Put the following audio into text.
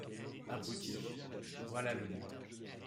Abruti… voilà le mot !…